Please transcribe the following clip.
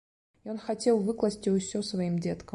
Ён хацеў выкласці ўсё сваім дзеткам.